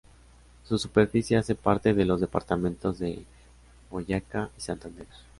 Su superficie hace parte de los departamentos de Boyacá y Santander.